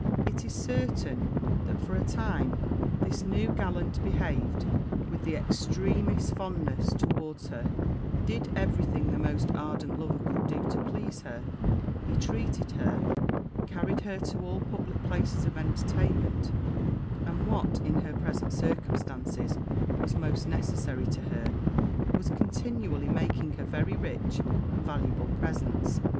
It is certain, that for a time this new gallant behaved with the extremest fondness towards her did every thing the most ardent lover could do to please her he treated her carried her to all publick places of entertainment and, what in her present circumstances was most necessary to her, was continually making her very rich and valuable presents.